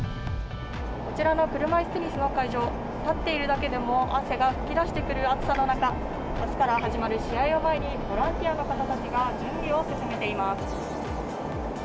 こちらの車いすテニスの会場、立っているだけでも汗が噴き出してくる暑さの中、あすから始まる試合を前に、ボランティアの方たちが準備を進めています。